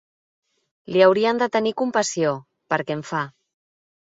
Li haurien de tenir compassió, perquè en fa.